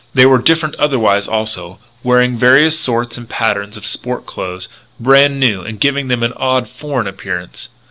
They were different otherwise, also, wearing various sorts and patterns of sport clothes, brand new, and giving them an odd, foreign appearance.